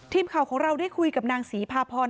ทีมข่าวของเราได้คุยกับนางศรีพาพร